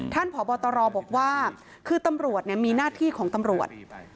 พบตรบอกว่าคือตำรวจมีหน้าที่ของตำรวจ